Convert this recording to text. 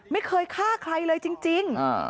ไม่เคยฆ่าใครเลยจริง